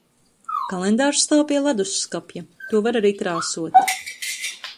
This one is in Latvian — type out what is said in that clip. Kalendārs stāv pie ledusskapja. To var arī krāsot.